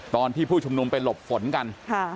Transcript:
ตอนที่ผู้ชุมนุมไปหลบฝนกัน